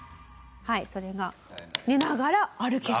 それが寝ながら歩ける。